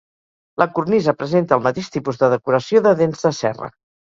La cornisa presenta el mateix tipus de decoració de dents de serra.